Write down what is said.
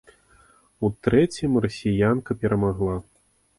У трэцім расіянка перамагла.